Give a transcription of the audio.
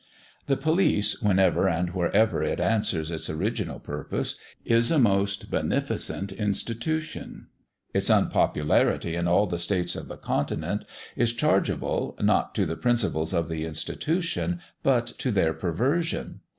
The police, whenever and wherever it answers its original purpose, is a most beneficent institution. Its unpopularity in all the states of the Continent is chargeable, not to the principles of the institution, but to their perversion.